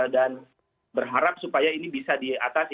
dan berharap supaya ini bisa diatasi